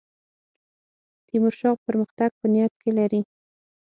تیمورشاه پرمختګ په نیت کې لري.